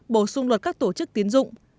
bổ sung luật các tổ chức tín dụng